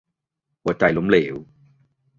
- หัวใจล้มเหลว